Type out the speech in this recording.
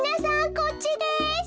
こっちです。